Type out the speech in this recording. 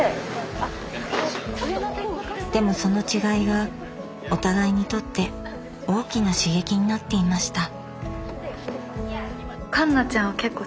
でもその違いがお互いにとって大きな刺激になっていました。